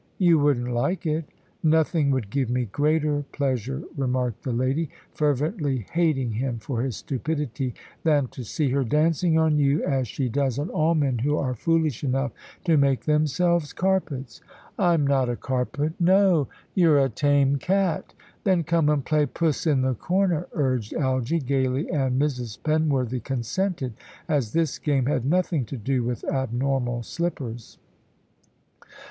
"You wouldn't like it." "Nothing would give me greater pleasure," remarked the lady, fervently hating him for his stupidity, "than to see her dancing on you, as she does on all men who are foolish enough to make themselves carpets." "I'm not a carpet." "No! You're a tame cat." "Then come and play Puss in the Corner," urged Algy, gaily, and Mrs. Penworthy consented, as this game had nothing to do with abnormal slippers.